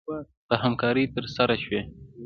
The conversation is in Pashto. په همکارۍ ترسره شوې